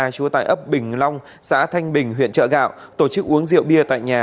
chú tại ấp bình long xã thanh bình huyện trợ gạo tổ chức uống rượu bia tại nhà